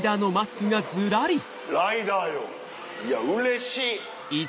ライダーよいやうれしい。